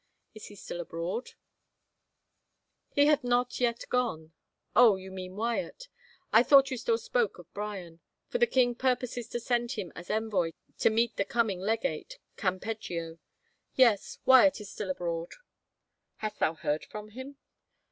Is he still abroad ?"" He hath not yet gone. Oh, you mean Wyatt. I thought you still spoke of Bryan, for the king purposes to send him as envoy to meet the coming legate, Cam peggio. Yes, Wyatt is still abroad." "Hast thou heard from him?"